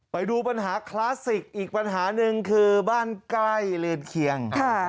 ไปดูปัญหาคลาสสิกอีกปัญหาหนึ่งคือบ้านใกล้เรือนเคียง